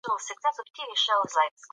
زده کړه باید د ماشوم حق وي.